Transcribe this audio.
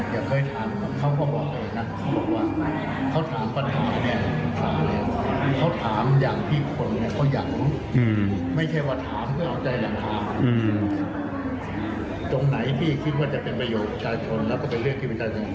ด้วยความพิสูจน์ที่แสนงดงามในใจ